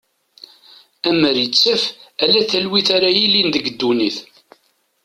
Amer ittaf ala talwit ara yilin deg ddunit.